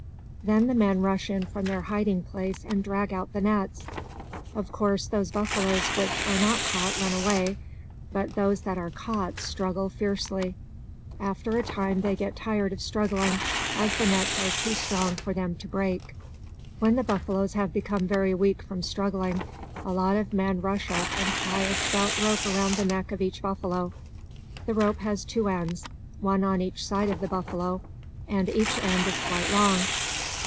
Then the men rush in from their hiding place and drag out the nets. Of course, those buffaloes which are not caught run away. But those that are caught struggle fiercely. After a time they get tired of struggling, as the nets are too strong for them to break. When the buffaloes have become very weak from struggling, a lot of men rush up and tie a stout rope around the neck of each buffalo. The rope has two ends, one on each side of the buffalo, and each end is quite long.